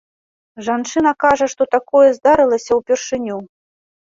Жанчына кажа, што такое здарылася ўпершыню.